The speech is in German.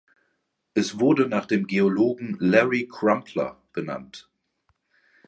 Es wurde nach dem Geologen Larry Crumpler benannt.